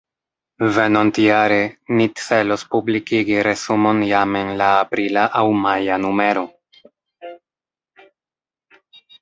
Venontjare ni celos publikigi resumon jam en la aprila aŭ maja numero.